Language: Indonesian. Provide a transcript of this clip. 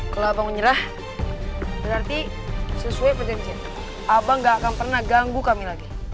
kalau abang menyerah berarti sesuai perjanjian abang gak akan pernah ganggu kami lagi